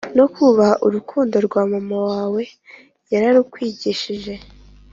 no kubaha urukundo rwa mama wawe yararukwigishije